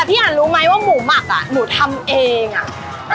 พี่อันรู้ไหมว่าหมูหมักอ่ะหนูทำเองอ่ะ